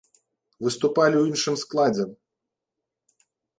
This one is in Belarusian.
Выступалі ў іншым складзе.